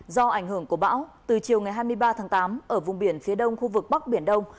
do ảnh hưởng của bão từ chiều ngày hai mươi ba tháng tám ở vùng biển phía đông khu vực bắc biển đông